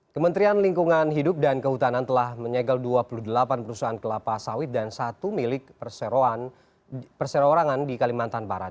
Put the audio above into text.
kementerian lingkungan hidup dan kehutanan telah menyegel dua puluh delapan perusahaan kelapa sawit dan satu milik perseroorangan di kalimantan barat